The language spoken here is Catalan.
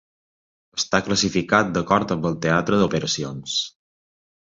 Està classificat d'acord amb el teatre d'operacions.